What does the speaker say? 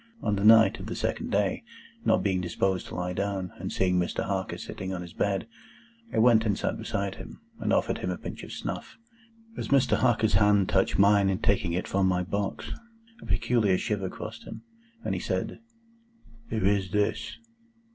On the night of the second day, not being disposed to lie down, and seeing Mr. Harker sitting on his bed, I went and sat beside him, and offered him a pinch of snuff. As Mr. Harker's hand touched mine in taking it from my box, a peculiar shiver crossed him, and he said, "Who is this?"